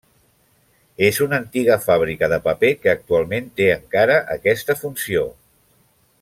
És una antiga fàbrica de paper que actualment té encara aquesta funció.